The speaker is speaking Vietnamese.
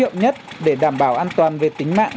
hiệu nhất để đảm bảo an toàn về tính mạng